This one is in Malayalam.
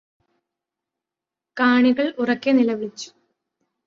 കാണികള് ഉറക്കെ നിലവിളിച്ചു